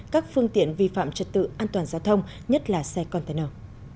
các phương tiện vi phạm trật tự an toàn giao thông nhất là xe container